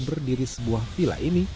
berdiri sebuah villa ini